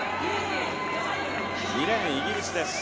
２レーン、イギリスです。